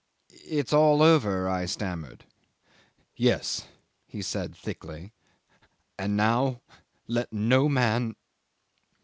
"It's all over," I stammered. "Yes," he said thickly. "And now let no man